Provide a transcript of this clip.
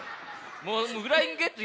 もうフライングゲット